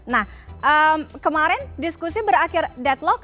nah kemarin diskusi berakhir deadlock